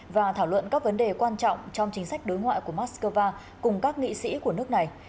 và thảo luận các vấn đề quan trọng trong chính sách đối ngoại của moscow cùng các nghị sĩ của nước này